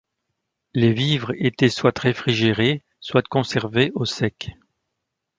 Les vivres étaient soit réfrigérés, soit conservés au sec.